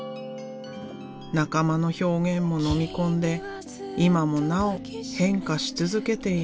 仲間の表現ものみ込んで今もなお変化し続けている。